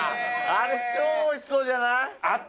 ▲超おいしそうじゃない？